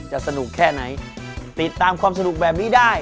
สนุกแค่ไหนติดตามความสนุกแบบนี้ได้